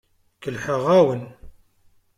Kellḥeɣ-awen.